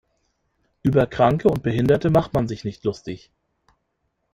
Über Kranke und Behinderte macht man sich nicht lustig.